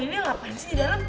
ini ngapain sih dalam